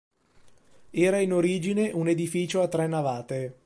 Era in origine un edificio a tre navate.